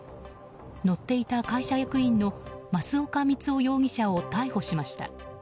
乗っていた会社役員の増岡光男容疑者を逮捕しました。